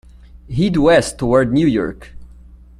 Head west toward New York.